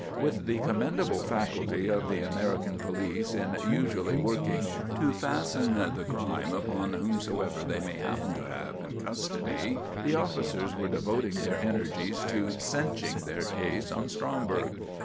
With the commendable faculty of the American police in usually working to fasten the crime upon whomsoever they may happen to have in custody, the officers were devoting their energies to "cinching" their case on Stromberg.